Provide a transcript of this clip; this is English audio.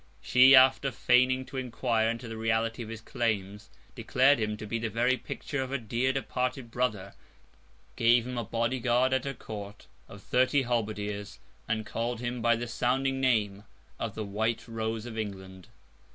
She, after feigning to inquire into the reality of his claims, declared him to be the very picture of her dear departed brother; gave him a body guard at her Court, of thirty halberdiers; and called him by the sounding name of the White Rose of England.